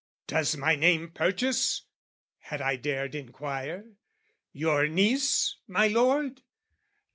"Does my name purchase," had I dared inquire, "Your niece, my lord?"